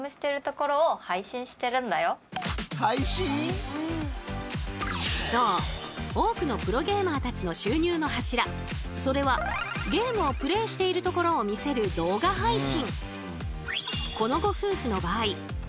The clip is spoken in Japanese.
このご夫婦にもそう多くのプロゲーマーたちの収入の柱それはゲームをプレーしているところを見せる「動画配信」。